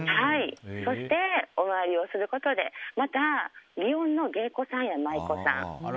そして、お参りをすることでまた祇園の芸妓さんや舞妓さん